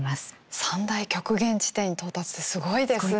三大極限地点に到達ってすごいですね。